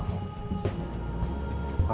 aku akan berjaga jaga